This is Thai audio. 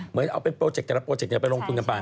เหมือนเอาเป็นโปรเจกต์แต่ละโปรเจกต์ไปลงทุนกันไป